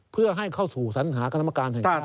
เพื่อให้เข้าสู่สัญหากรรมการแห่งชาติ